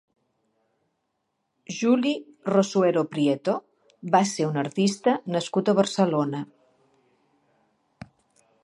Juli Rosuero Prieto va ser un artista nascut a Barcelona.